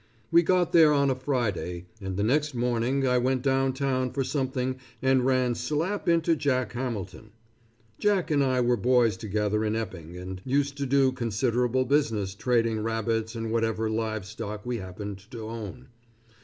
We got there on a Friday, and the next morning I went down town for something and ran slap into Jack Hamilton. Jack and I were boys together in Epping, and used to do considerable business trading rabbits and whatever live stock we happened to own.